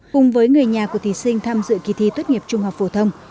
cùng với người nhà của thí sinh tham dự kỳ thi tốt nghiệp trung học phổ thông